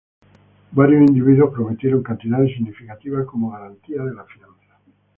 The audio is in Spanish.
Varios individuos prometieron cantidades significativas como garantía de la fianza.